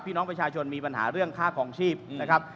พี่น้องประชาชนมีปัญหาเรื่องค่าคลองชีพนะครับ